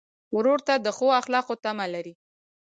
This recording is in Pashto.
ورور ته د ښو اخلاقو تمه لرې.